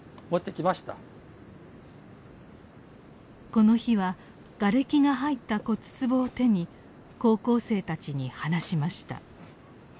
この日はがれきが入った骨つぼを手に高校生たちに話しました。